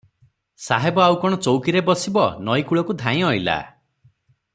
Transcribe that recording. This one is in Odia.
ସାହେବ ଆଉ କଣ ଚୌକିରେ ବସିବ, ନଈ କୂଳକୁ ଧାଇଁ ଅଇଲା ।